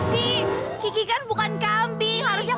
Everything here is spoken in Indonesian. harusnya kalo mau ngobrol sama kiki jangan pake suara kambing kayak gitu dong